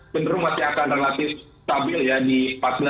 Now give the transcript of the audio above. benar benar masih akan relatif stabil ya di empat belas tiga ratus an